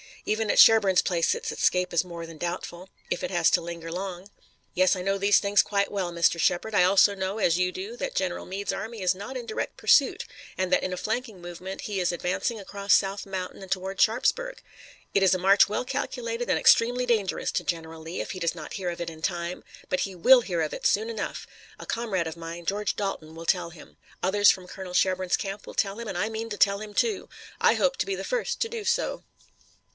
Even at Sherburne's place its escape is more than doubtful, if it has to linger long." "Yes, I know these things quite well, Mr. Shepard. I know also, as you do, that General Meade's army is not in direct pursuit, and, that in a flanking movement, he is advancing across South Mountain and toward Sharpsburg. It is a march well calculated and extremely dangerous to General Lee, if he does not hear of it in time. But he will hear of it soon enough. A comrade of mine, George Dalton, will tell him. Others from Colonel Sherburne's camp will tell him, and I mean to tell him too. I hope to be the first to do so."